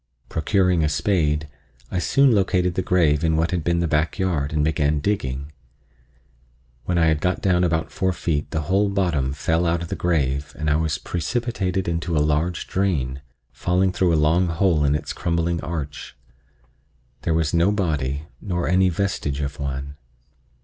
Procuring a spade, I soon located the grave in what had been the backyard and began digging. When I had got down about four feet the whole bottom fell out of the grave and I was precipitated into a large drain, falling through a long hole in its crumbling arch. There was no body, nor any vestige of one.